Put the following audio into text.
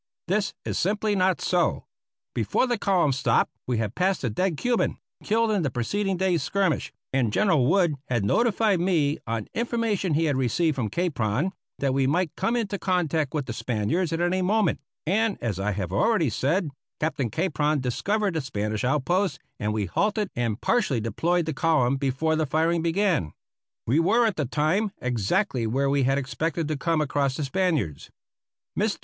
This is simply not so. Before the column stopped we had passed a dead Cuban, killed in the preceding day's skirmish, and General Wood had notified me on information he had received from Capron that we might come into contact with the Spaniards at any moment, and, as I have already said, Captain Capron discovered the Spanish outpost, and we halted and partially deployed the column before the firing began. We were at the time exactly where we had expected to come across the Spaniards. Mr.